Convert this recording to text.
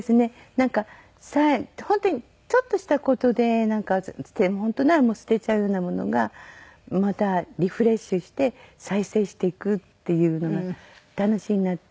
なんか本当にちょっとした事で本当ならもう捨てちゃうようなものがまたリフレッシュして再生していくっていうのが楽しいなって。